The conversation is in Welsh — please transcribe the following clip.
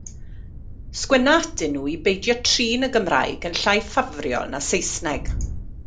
Sgwenna atyn nhw i beidio trin y Gymraeg yn llai ffafriol na Saesneg.